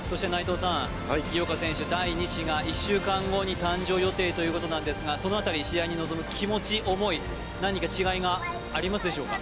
井岡選手、第二子が１週間後に誕生予定ということですがその辺り、試合に臨む気持ち、思い、何か違いがありますでしょうか。